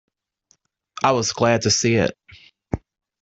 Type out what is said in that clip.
I was glad to see it.